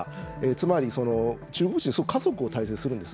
つまり、中国人すごく家族に大切にするんです。